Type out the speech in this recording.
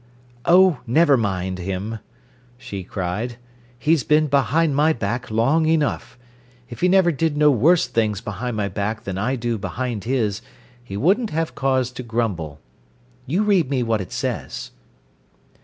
"Oh, never mind him," she cried, "He's been behind my back long enough. If he never did no worse things behind my back than I do behind his, he wouldn't have cause to grumble. You read me what it says."